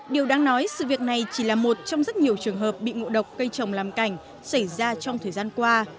điều đáng nói sự việc này chỉ là một trong rất nhiều trường hợp bị ngộ độc cây trồng làm cảnh xảy ra trong thời gian qua